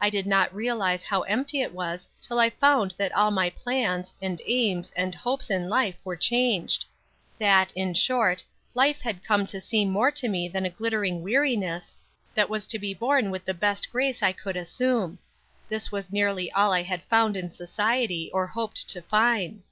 I did not realize how empty it was till I found that all my plans, and aims, and hopes in life were changed. That, in short, life had come to seem more to me than a glittering weariness, that was to be borne with the best grace I could assume. This was nearly all I had found in society, or hoped to find.